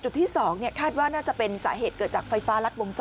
ที่๒คาดว่าน่าจะเป็นสาเหตุเกิดจากไฟฟ้ารัดวงจร